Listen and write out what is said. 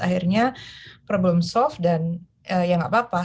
akhirnya problem solve dan ya nggak apa apa